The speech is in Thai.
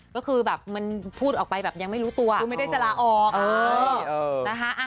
ก็คือแบบมันพูดออกไปแบบยังไม่รู้ตัวพูดไม่ได้จะลาออกนะคะ